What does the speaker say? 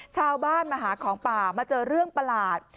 ชาวบ้านมาหาของป่ามาเจอเรื่องประหลาด